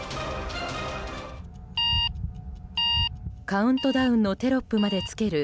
カウントダウンのテロップまでつける